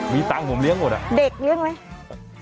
มีตังค์ผมเลี้ยงหมดอ่ะเด็กเลี้ยงไหม